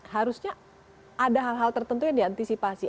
harusnya ada hal hal tertentu yang diantisipasi